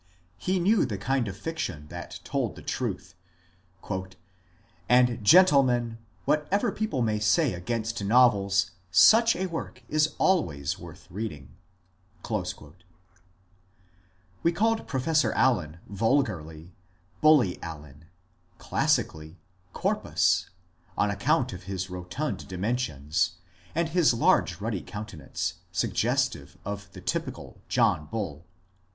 He knew the kind of fiction that told the truth; ^'and, gentlemen, whatever people may say against novels, such a work is always worth reading." DICKINSON COLLEGE 49 We called Professor Allen vulgarly " Bully Allen," classi cally ^' Corpus," on account of his rotund dimensions, and his large ruddy countenance, suggestive of the typical John Bull.